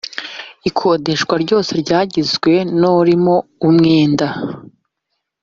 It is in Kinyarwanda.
ikodesha ryose ryagizwe n urimo umwenda